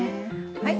はい！